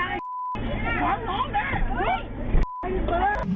เซ็ตเพิ่ม